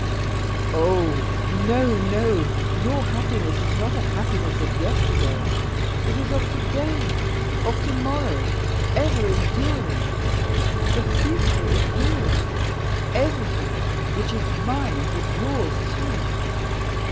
"Oh! no, no! your happiness is not a happiness of yesterday, it is of to day, of to morrow, ever enduring. The future is yours, everything which is mine is yours, too.